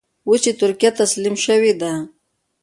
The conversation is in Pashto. اوس چې ترکیه تسليم شوې ده.